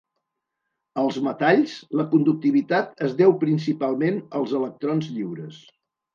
Als metalls, la conductivitat es deu principalment als electrons lliures.